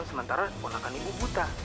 sementara polakan ibu buta